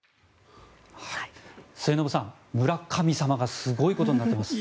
末延さん、村神様がすごいことになっています。